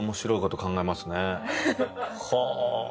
はあ。